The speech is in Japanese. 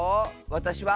「わたしは」。